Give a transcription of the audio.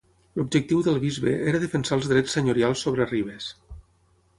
L'objectiu del bisbe era defensar els drets senyorials sobre Ribes.